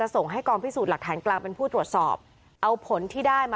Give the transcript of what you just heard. ทุกผู้ชมครับ